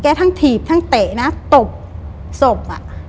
แกทั้งถีบทั้งเตะนะตบสบอะ